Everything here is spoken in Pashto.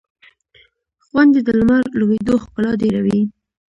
• غونډۍ د لمر لوېدو ښکلا ډېروي.